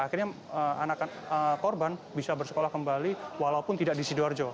akhirnya anak korban bisa bersekolah kembali walaupun tidak di sidoarjo